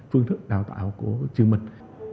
phương thức đào tạo của trường mình